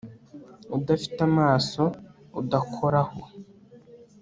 udafite amaso udakoraho